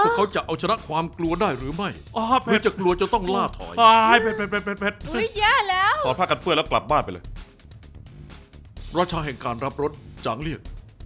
ก็จะเอาฉลักความกลัวได้หรือไม่หรือจะกลัวจะต้องล่าถอย